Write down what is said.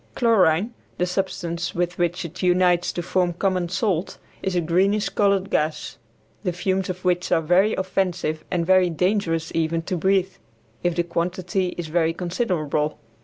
Chlorine, the substance with which it unites to form common salt, is a greenish colored gas, the fumes of which are very offensive and very dangerous even to breathe, if the quantity is very considerable.